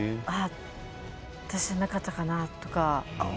私じゃなかったかなとか。